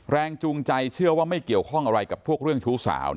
จูงใจเชื่อว่าไม่เกี่ยวข้องอะไรกับพวกเรื่องชู้สาว